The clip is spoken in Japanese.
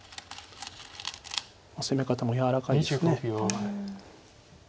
攻め方も柔らかいです。